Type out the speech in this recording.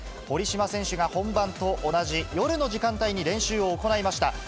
堀島選手が本番と同じ夜の時間帯に練習を行いました。